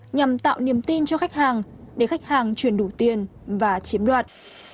nhằm tạo niềm tin cho khách hàng để khách hàng chuyển đủ tiền và chiếm đoạt